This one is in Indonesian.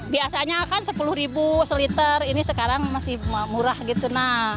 biasanya kan sepuluh ribu seliter ini sekarang masih murah gitu